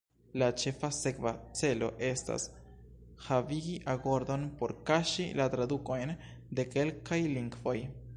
La ĉefa sekva celo estas havigi agordon por kaŝi la tradukojn de kelkaj lingvoj.